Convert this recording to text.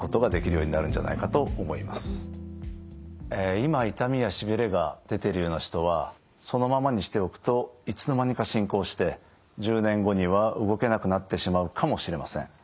今痛みやしびれが出ているような人はそのままにしておくといつの間にか進行して１０年後には動けなくなってしまうかもしれません。